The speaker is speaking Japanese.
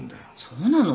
そうなの？